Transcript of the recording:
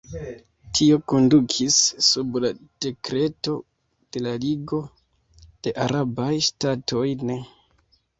Tio kondukis, sub la dekreto de la Ligo de Arabaj Ŝtatoj ne.